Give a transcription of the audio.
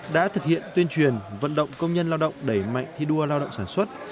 đã thực hiện tuyên truyền vận động công nhân lao động đẩy mạnh thi đua lao động sản xuất